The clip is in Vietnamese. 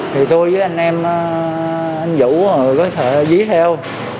thì tôi với anh em anh vũ có thể dí theo